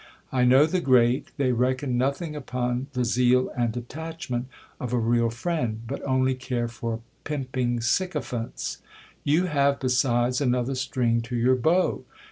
I know the great : they reckon nothing upon the zeal and attachment of a real friend ; but only care for pimping sycophants. You have, besides, another string to your bow.